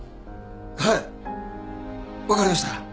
はい分かりました。